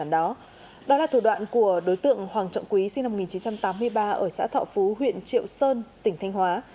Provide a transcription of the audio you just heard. đó là thủ đoạn của đối tượng hoàng trọng quý sinh năm một nghìn chín trăm tám mươi ba ở xã thọ phú huyện triệu sơn tỉnh thanh hóa